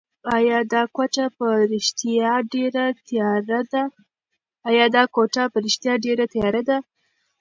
ایا دا کوټه په رښتیا ډېره تیاره ده؟